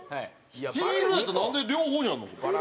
ヒールやったらなんで両方にあるの？